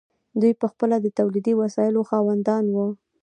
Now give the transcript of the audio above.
دوی پخپله د تولیدي وسایلو خاوندان وو.